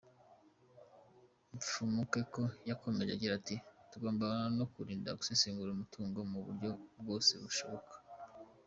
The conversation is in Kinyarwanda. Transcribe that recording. Mfumukeko yakomeje agira ati “Tugomba no kwirinda gusesagura umutungo mu buryo bwose bushoboka.